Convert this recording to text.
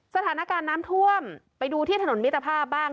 สถานการณ์น้ำท่วมไปดูที่ถนนมิตรภาพบ้าง